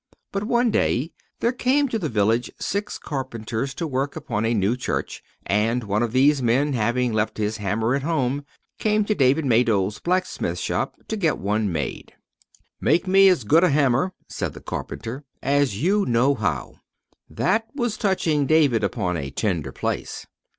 But one day there came to the village six carpenters to work upon a new church, and one of these men, having left his hammer at home, came to David Maydole's blacksmith's shop to get one made. "Make me as good a hammer," said the carpenter, "as you know how." That was touching David upon a tender place.